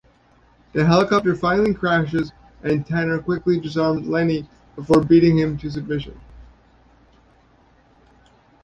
The helicopter finally crashes and Tanner quickly disarms Lenny before beating him to submission.